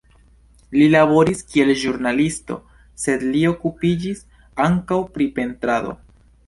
Li laboris, kiel ĵurnalisto, sed li okupiĝis ankaŭ pri pentrado.